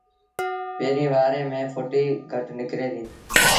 پيريݩ وآري ميݩ ڦُٽيٚ گھٽ نڪري ديٚ